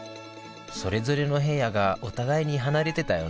それぞれの部屋がお互いに離れてたよね